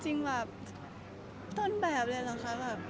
จริงแบบต้นแบบเลยนะคะ